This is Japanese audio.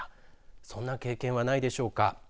そんな経験はないでしょうか。